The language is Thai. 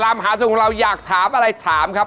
รัมหาสูงเราอยากถามอะไรถามครับ